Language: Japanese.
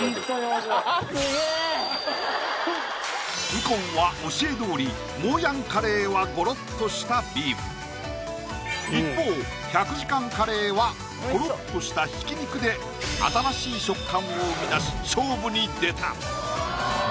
右近は教えどおりもうやんカレーはゴロッとしたビーフ一方１００時間カレーはコロッとした挽き肉で新しい食感を生み出し勝負に出た！